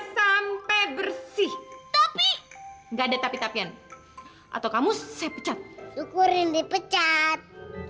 sampai bersih tapi enggak ada tapi tapian atau kamu saya pecat syukur ini pecat